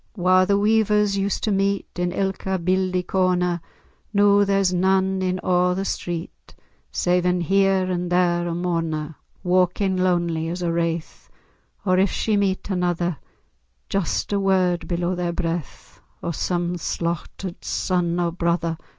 Whar the weavers used to meet, In ilka bieldy corner, Noo there's nane in a' the street, Savin' here and there a mourner, Walkin' lonely as a wraith, Or if she meet anither, Just a word below their braith O' some slauchtered son or brither!